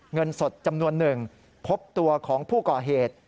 เงินสดจำนวนหนึ่งพบตัวของผู้ก่อเหตุ